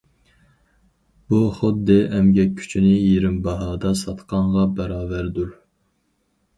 بۇ خۇددى ئەمگەك كۈچىنى يېرىم باھادا ساتقانغا باراۋەردۇر!